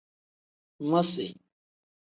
Misi.